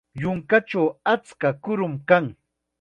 Yunkachaw achka kurum kan.